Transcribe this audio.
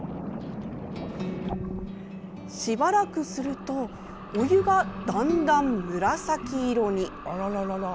しばらくするとお湯がだんだん紫色に。